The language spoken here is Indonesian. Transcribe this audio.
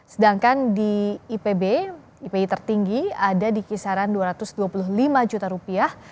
sedangkan di ipb ipi tertinggi ada di kisaran dua ratus dua puluh lima juta rupiah